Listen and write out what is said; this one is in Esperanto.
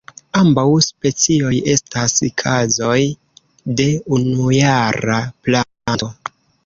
Ambaŭ specioj estas kazoj de unujara planto.